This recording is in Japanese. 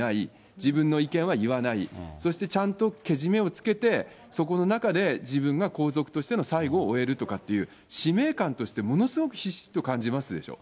自分の意見は言わない、そしてちゃんとけじめをつけて、そこの中で自分が皇族としての最後を終えるとかっていう、使命感として、ものすごくひしひしと感じますでしょう。